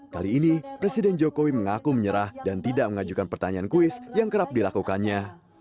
kali ini presiden jokowi mengaku menyerah dan tidak mengajukan pertanyaan kuis yang kerap dilakukannya